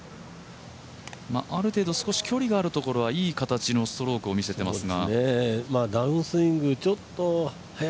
ある程度少し距離があるところはいい形のストロークを見せていますが。